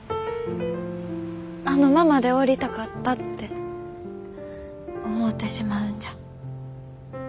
あのままでおりたかったって思うてしまうんじゃ。